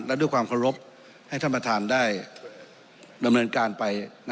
และด้วยความเคารพให้ท่านประธานได้ดำเนินการไป